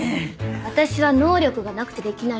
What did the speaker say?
私は能力がなくてできないんです。